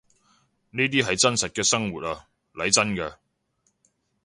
呢啲係真實嘅生活呀，嚟真㗎